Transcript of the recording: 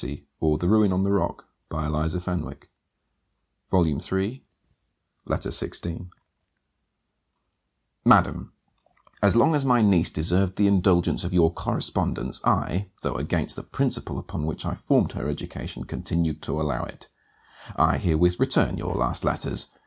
My letters were returned unopened; and with them the following Madam, As long as my niece deserved the indulgence of your correspondence I, though against the principle upon which I formed her education continued to allow it. I herewith return your last letters.